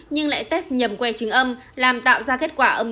nhưng lại test nhầm que chứng âm